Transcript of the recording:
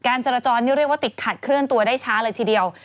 จรจรนี่เรียกว่าติดขัดเคลื่อนตัวได้ช้าเลยทีเดียว